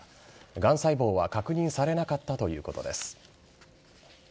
がん細胞は確認されなかったということです。